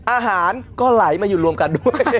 อาหารก็ไหลมาอยู่รวมกันด้วย